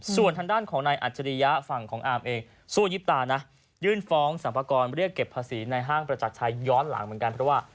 ส่วนทางด้านของนายอัจฉริยะฝั่งของอาร์มเองสู้ยิบตานะยื่นฟ้องสรรพากรเรียกเก็บภาษีในห้างประจักรชัยย้อนหลังเหมือนกันเพราะว่า